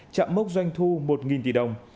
chạm mốc doanh thu một tỷ đồng